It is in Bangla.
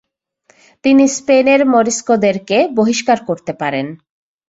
তিনি স্পেনের মরিস্কোদেরকে বহিষ্কার করতে পারেন।